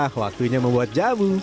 nah waktunya membuat jamu